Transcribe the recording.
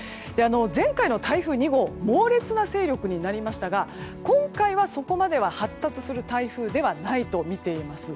前回の台風２号は猛烈な勢力になりましたが今回はそこまでは発達する台風ではないとみています。